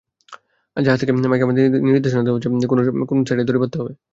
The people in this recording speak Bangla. জাহাজ থেকে মাইকে আমাদের নির্দেশনা দেওয়া হচ্ছে কোন সাইডে দড়ি বাঁধতে হবে।